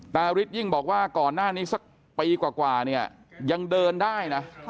ริสยิ่งบอกว่าก่อนหน้านี้สักปีกว่าเนี่ยยังเดินได้นะ